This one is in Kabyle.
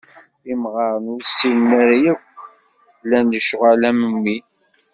Imɣaren ur ssinen ara akk llan lecɣal am wi.